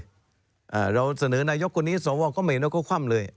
อ่าเราเสนอนายกคนนี้สวก็ไม่เห็นแล้วก็คว่ำเลย